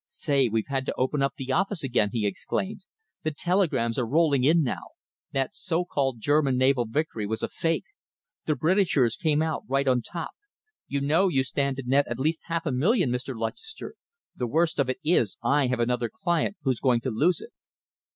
"Say, we've had to open up the office again!" he exclaimed. "The telegrams are rolling in now. That so called German naval victory was a fake. The Britishers came out right on top. You know you stand to net at least half a million, Mr. Lutchester? The worst of it is I have another client who's going to lose it."